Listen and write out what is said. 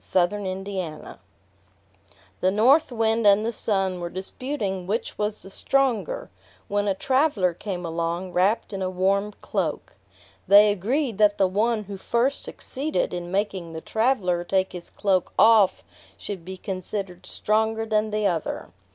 Orthographic version The North Wind and the Sun were disputing which was the stronger, when a traveler came along wrapped in a warm cloak. They agreed that the one who first succeeded in making the traveler take his cloak off should be considered stronger than the other.